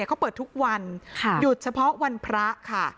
เขาเปิดทุกวันหยุดเฉพาะวันพระค่ะ